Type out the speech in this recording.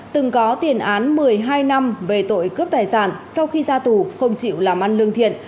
từng có tiền án một mươi hai năm về tội cướp tài sản sau khi ra tù không chịu làm ăn lương thiện